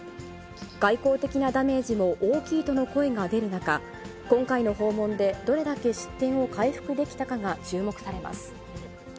外交的なダメージも大きいとの声が出る中、今回の訪問でどれだけ失点を回復できたかが注目されます。